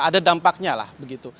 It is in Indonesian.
ada dampaknya lah begitu